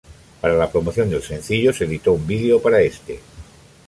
Para la promoción del sencillo, se editó un video para este.